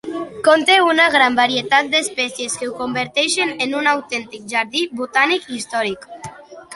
Conté una gran varietat d'espècies que ho converteixen en un autèntic jardí botànic històric.